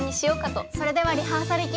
それではリハーサルいきます。